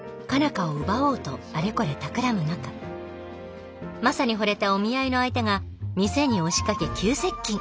花を奪おうとあれこれたくらむ中マサにほれたお見合いの相手が店に押しかけ急接近。